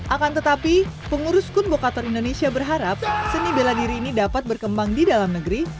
akan tetapi pengurus kun bokator indonesia berharap seni bela diri ini dapat berkembang di dalam negeri